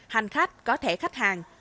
hành khách có thẻ khách hàng